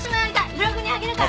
ブログにあげるから。